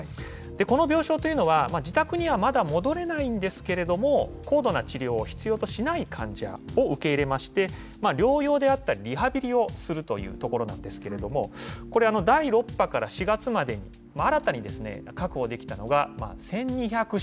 この病床というのは、自宅にはまだ戻れないんですけれども、高度な治療を必要としない患者を受け入れまして、療養であったり、リハビリをするというところなんですけれども、これ、第６波から４月までに、新たに確保できたのが１２００床。